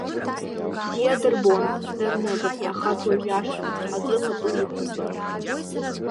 Бзиа дырбон, дарныгын, аха дуаҩ иашан азы пату иқәырҵон.